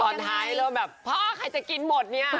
ตอนท้ายแล้วแบบพ่อใครจะกินหมดเนี่ย